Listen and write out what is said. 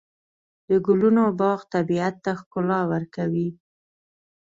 د ګلونو باغ طبیعت ته ښکلا ورکوي.